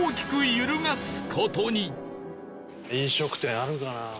飲食店あるかな？